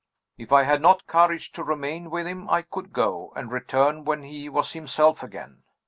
If I had not courage to remain with him I could go, and return when he was himself again.